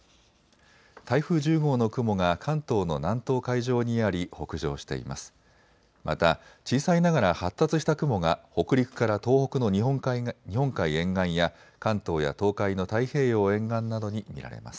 台風１０号の雲が関東の南東海上にあり、北上しています。